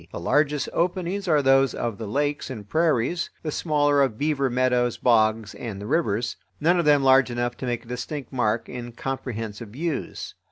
The largest openings are those of the lakes and prairies, the smaller of beaver meadows, bogs, and the rivers; none of them large enough to make a distinct mark in comprehensive views.